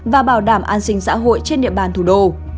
và bảo đảm an sinh xã hội trên địa bàn thủ đô